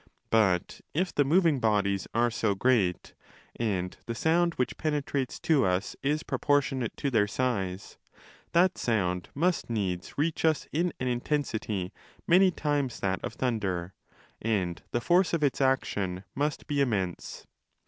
But if the moving bodies are so great, and the sound which penetrates to us is proportionate to their size, that sound must needs reach us in an intensity many times that of thunder, and the force of its action must be immense.